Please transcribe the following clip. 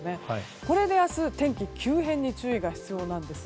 これで明日、天気の急変に注意が必要なんです。